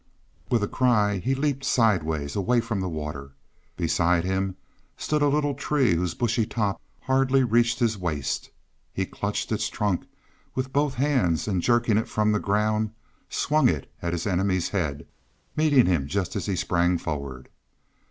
With a cry, he leaped sidewise, away from the water. Beside him stood a little tree whose bushy top hardly reached his waist. He clutched its trunk with both hands and jerking it from the ground swung it at his enemy's head, meeting him just as he sprang forward.